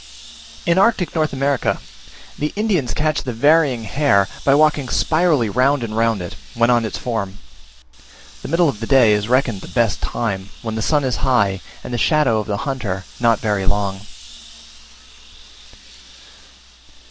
In Arctic North America the Indians catch the Varying Hare by walking spirally round and round it, when on its form: the middle of the day is reckoned the best time, when the sun is high, and the shadow of the hunter not very long.